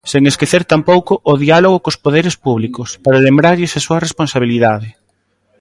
Sen esquecer tampouco o "diálogo cos poderes públicos, para lembrarlles a súa responsabilidade".